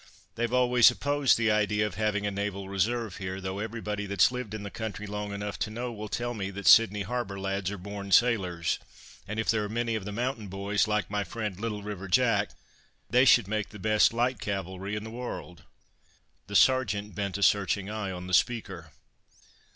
"They've always opposed the idea of having a naval reserve here, though everybody that's lived in the country long enough to know will tell me that Sydney Harbour lads are born sailors, and if there are many of the mountain boys like my friend 'Little River Jack,' they should make the best light cavalry in the world." The Sergeant bent a searching eye on the speaker.